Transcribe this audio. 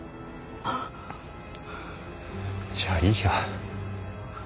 じゃあいいや。